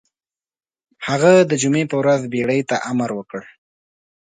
هغه د جمعې په ورځ بېړۍ ته امر وکړ.